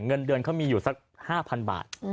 เงินเดือนเขามีอยู่สัก๕๐๐๐บาท